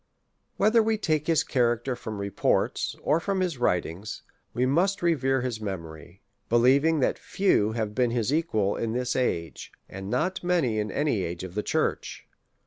Whether we take his character from reports, or from his writings, we must revere his memory ; believ ing that few have been his equals in this age, and not many in any age of the church.